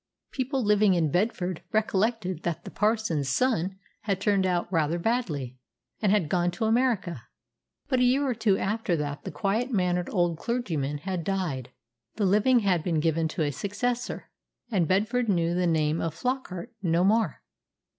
People living in Bedford recollected that the parson's son had turned out rather badly, and had gone to America. But a year or two after that the quiet mannered old clergyman had died, the living had been given to a successor, and Bedford knew the name of Flockart no more.